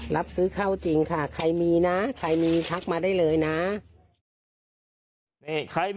รับซื้อเข้าจริงใครมีนะทักมาได้เลยค่ะ